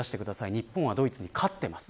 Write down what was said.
日本は、ドイツに勝ってます。